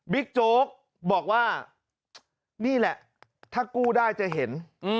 โจ๊กบอกว่านี่แหละถ้ากู้ได้จะเห็น